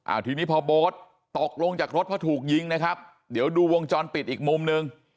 ทีนี้พอโบ๊ทตกลงจากรถเพราะถูกยิงนะครับเดี๋ยวดูวงจรปิดอีกมุมหนึ่ง